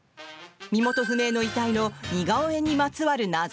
身元不明の遺体の似顔絵にまつわる謎。